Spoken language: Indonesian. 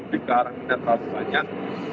di karang minah terlalu banyak